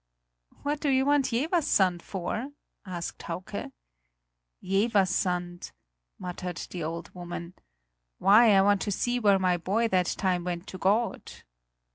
"What do you want Jeverssand for?" asked Hauke. "Jeverssand!" muttered the old woman. "Why, I want to see where my boy that time went to God!"